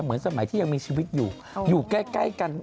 สมัยที่ยังมีชีวิตอยู่อยู่ใกล้กัน